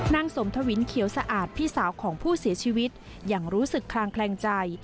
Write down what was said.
นางสมทวินเขียวสะอาดพี่สาวของผู้เสียชีวิตยังรู้สึกคลางแคลงใจ